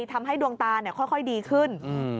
ทำให้ดวงตาค่อยดีขึ้น